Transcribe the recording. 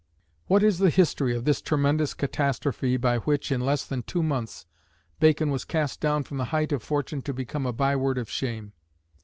What is the history of this tremendous catastrophe by which, in less than two months, Bacon was cast down from the height of fortune to become a byword of shame?